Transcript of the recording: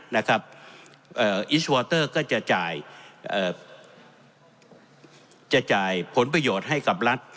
นะครับเอ่ออิชวอเตอร์ก็จะจ่ายเอ่อจะจ่ายผลประโยชน์ให้กับรัฐ